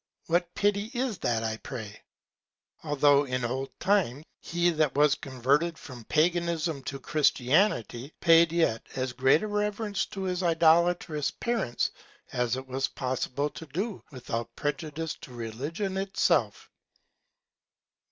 What Pity is that I pray? Although in old Time, he that was converted from Paganism to Christianity, paid yet as great a Reverence to his idolatrous Parents, as it was possible to do without prejudice to Religion itself.